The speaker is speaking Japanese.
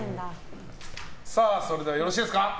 それではよろしいですか。